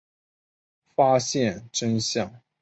发现真相的诗音决定除去铁平但被圭一制止了。